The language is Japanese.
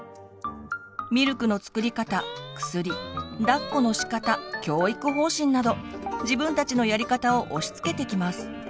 ミルクの作り方薬だっこのしかた教育方針など自分たちのやり方を押しつけてきます。